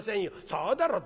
「そうだろ。